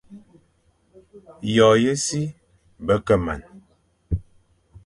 Yô ye si be ke man,